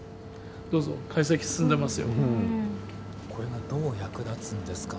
どうぞこれがどう役立つんですかね？